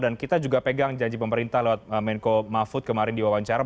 dan kita juga pegang janji pemerintah lewat menko mahfud kemarin di wawancara